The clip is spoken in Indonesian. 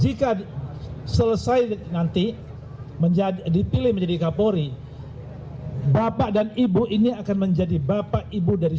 jika selesai nanti dipilih menjadi kapolri bapak dan ibu ini akan menjadi bapak ibu dari